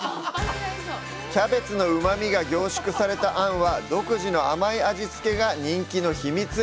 キャベツのうまみが凝縮された餡は、独自の甘い味付けが人気の秘密。